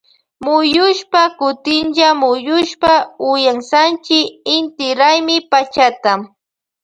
Muyushpa kutinlla muyushpa uyansanchi inti raymi pachata.